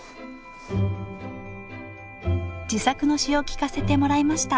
自作の詩を聞かせてもらいました